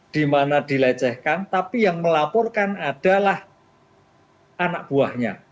karena dilecehkan tapi yang melaporkan adalah anak buahnya